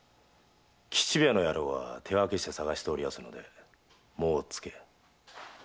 吉兵衛の野郎は手分けして捜しておりやすのでもう追っつけ。